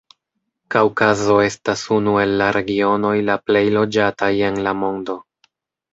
Kaŭkazo estas unu el la regionoj la plej loĝataj en la mondo.